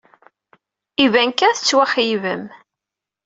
Iban kan tettwaxeyybem.